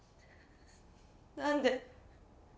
何で？